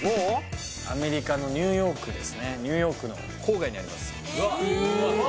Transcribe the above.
アメリカのニューヨークですねニューヨークの郊外にあります